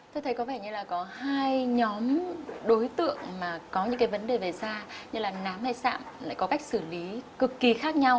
tôi thấy có vẻ như là có hai nhóm đối tượng mà có những cái vấn đề về xa như là nám hay sạm lại có cách xử lý cực kỳ khác nhau